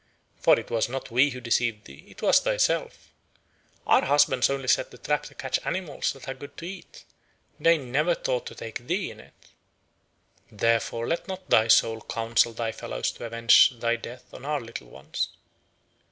For it was not we who deceived thee, it was thyself. Our husbands only set the trap to catch animals that are good to eat; they never thought to take thee in it. Therefore, let not thy soul counsel thy fellows to avenge thy death on our little ones!"